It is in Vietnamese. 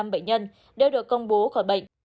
ba ba trăm một mươi năm bệnh nhân đã được công bố khỏi bệnh